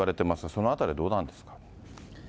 そのあたりはどうなんですか。